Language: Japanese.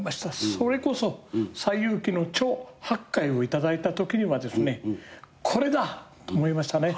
それこそ『西遊記』の猪八戒を頂いたときにはですねこれだ！と思いましたね。